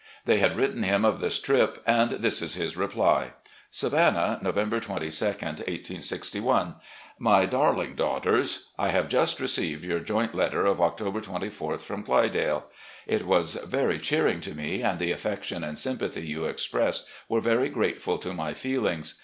They had written him of this trip, and this is his reply: "Savannah, November 22, 1861. " My Darling Daughters: I have just received your joint letter of October 24th, from ' Clydale.' It was very cheer ing to me, and the affection and sympathy you expressed were veiy grateful to my feelings.